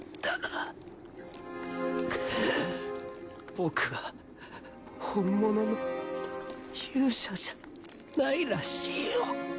僕は本物の勇者じゃないらしいよ。